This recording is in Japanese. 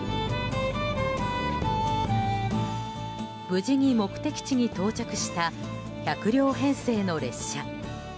無事に目的地に到着した１００両編成の列車。